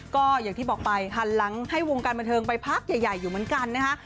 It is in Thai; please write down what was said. ก็อย่างที่บอกไปหันหลังให้วงการบันเทิงไปพักใหญ่อยู่เหมือนกันนะคะ